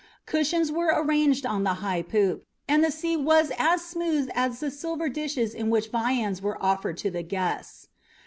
Cushions were arranged on the high poop, and the sea was as smooth as the silver dishes in which viands were offered to the guests.